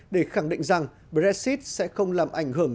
để khẳng định rằng brexit sẽ không làm ảnh hưởng